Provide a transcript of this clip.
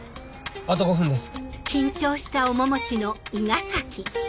あと５分です。